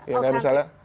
ya kayak misalnya